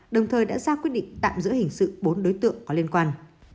đồng thời đã ra quyết định tạm giữ hình sự bốn đối tượng có liên quan